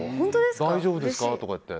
大丈夫ですかって。